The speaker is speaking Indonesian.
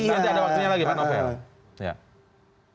nanti ada waktunya lagi pak novel